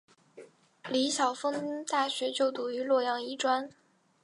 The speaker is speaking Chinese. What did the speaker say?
李晓峰大学就读于洛阳医专。